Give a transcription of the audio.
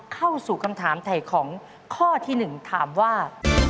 เข้าสู่คำถามถ่ายของข้อที่๑ถามว่า